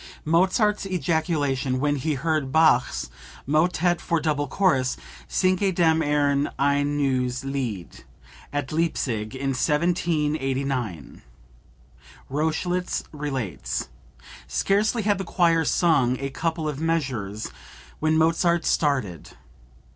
(Mozart's ejaculation when he heard Bach's motet for double chorus, "Singet dem Herrn ein neues Lied," at Leipsic in 1789. Rochlitz relates: "Scarcely had the choir sung a couple of measures when Mozart started.